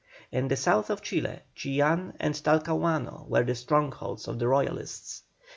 In the South of Chile Chillán and Talcahuano were the strongholds of the Royalists.